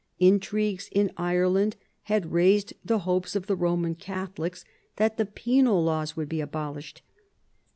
In trigues in Ireland had raised the hopes of the Koman Catholics that the Penal laws would be abolished.